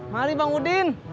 mari bang udin